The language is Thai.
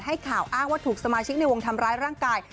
ให้ข่าวอ้างว่าถูกสมาชิกในวงทำร้ายร่างกาย